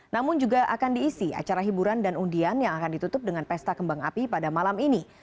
namun juga akan diisi acara hiburan dan undian yang akan ditutup dengan pesta kembang api pada malam ini